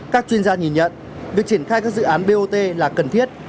các chuyên gia nhìn nhận việc triển khai các dự án bot là cần thiết